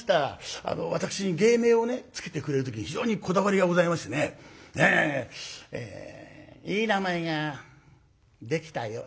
あの私に芸名をね付けてくれる時に非常にこだわりがございましてね「いい名前ができたよ」なんて言うから。